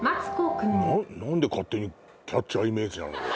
何で勝手にキャッチャーイメージなのよ！